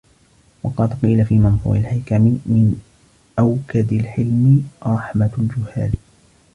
وَقَدْ قِيلَ فِي مَنْثُورِ الْحِكَمِ مِنْ أَوْكَدِ الْحِلْمِ رَحْمَةُ الْجُهَّالِ